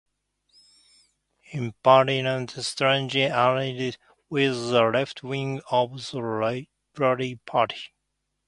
In Parliament Stranger allied with the left-wing of the Liberal Party.